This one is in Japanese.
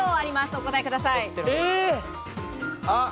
お答えください。